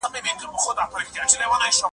په هېڅ.